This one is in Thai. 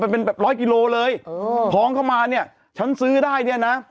เป็นแบบร้อยกิโลเลยเออท้องเข้ามาเนี่ยฉันซื้อได้เนี่ยนะ